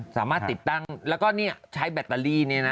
สามารถติดตั้งแล้วก็นี่ใช้แบตเตอรี่นี่นะ